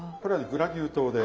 グラニュー糖で。